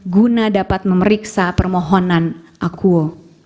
guna dapat memeriksa permohonan akuo